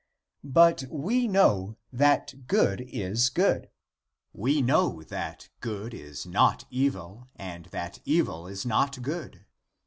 But we know that good is good. We know that good is not evil, and that evil is not good.